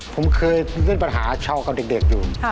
ผมเคยเล่นปัญหาเช่ากับเด็กอยู่